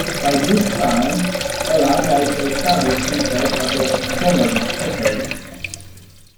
By this time, Holland had established himself as a gunnery specialist.